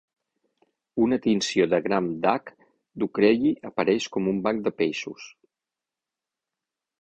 Una tinció de Gram d'H. ducreyi apareix com un "banc de peixos".